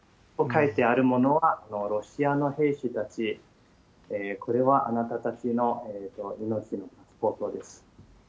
書いてあるものはロシアの兵士たち、これはあなたたちの命のです。